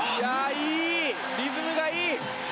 いい、リズムがいい。